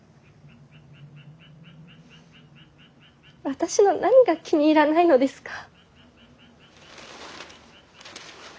私の何が気に入らないのですか。